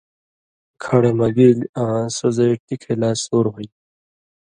کھڑہۡ مہ گیلیۡ آں سو زئ ٹِکئ لا سُور ہُون٘دیۡ۔